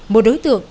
một đối tượng